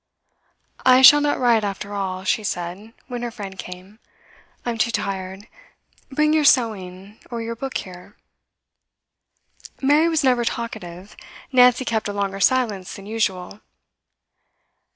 'I shall not write, after all,' she said, when her friend came. 'I'm too tired. Bring your sewing, or your book, here.' Mary was never talkative; Nancy kept a longer silence than usual.